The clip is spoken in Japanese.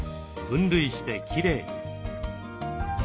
分類してきれいに。